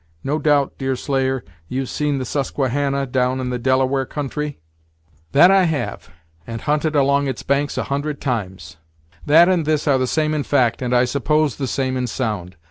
No doubt, Deerslayer, you've seen the Susquehannah, down in the Delaware country?" "That have I, and hunted along its banks a hundred times." "That and this are the same in fact, and, I suppose, the same in sound.